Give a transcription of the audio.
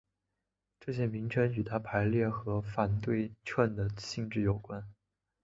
这些名称与它排列和反对称的性质有关。